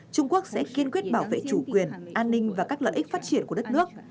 trung quốc sẽ kiên quyết bảo vệ chủ quyền an ninh và các lợi ích phát triển của đất nước